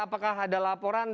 apakah ada laporan